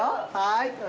はい。